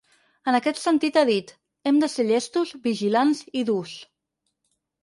En aquest sentit, ha dit: ‘Hem de ser llestos, vigilants i durs’.